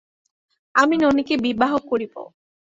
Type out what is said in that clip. আমি ননিকে বিবাহ করিব।